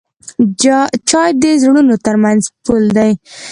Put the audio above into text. چای د زړونو ترمنځ پل دی.